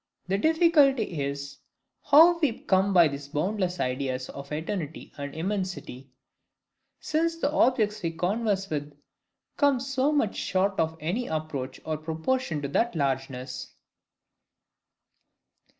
The difficulty is, how we come by those BOUNDLESS IDEAS of eternity and immensity; since the objects we converse with come so much short of any approach or proportion to that largeness.